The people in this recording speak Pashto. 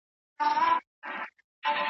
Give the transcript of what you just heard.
دا هغه زمانه وه چي په اروپا کي تېره سوه.